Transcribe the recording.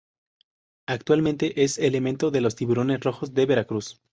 Actualmente es elemento de los Tiburones Rojos de Veracruz.